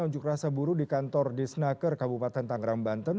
unjuk rasa buru di kantor disnaker kabupaten tangerang banten